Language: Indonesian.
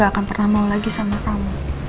gak akan pernah mau lagi sama kamu